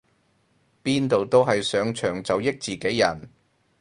邊度都係上場就益自己人